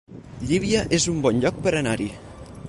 Llívia es un bon lloc per anar-hi